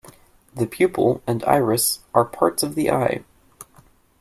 The pupil and iris are parts of the eye.